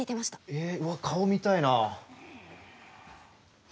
えうわっ顔見たいな。